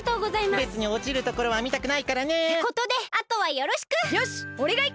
べつにおちるところはみたくないからね。ってことであとはよろしく！